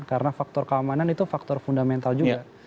karena faktor keamanan itu faktor fundamental juga